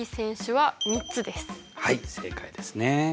はい正解ですね。